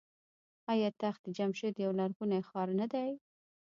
آیا تخت جمشید یو لرغونی ښار نه دی؟